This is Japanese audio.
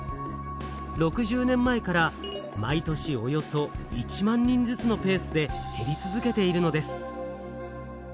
６０年前から毎年およそ１万人ずつのペースで減り続けているのです。